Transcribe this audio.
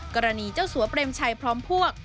เจ้าสัวเปรมชัยพร้อมพวก